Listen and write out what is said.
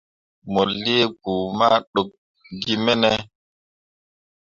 Mo lii kpu ma ɗokki ge mene ?